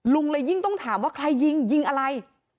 ลุงเลยยิ่งต้องถามว่าใครยิงยิงอะไร